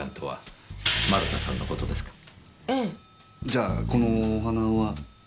じゃあこのお花は？